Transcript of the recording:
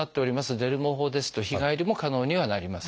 デルモ法ですと日帰りも可能にはなります。